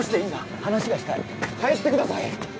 話がしたい帰ってください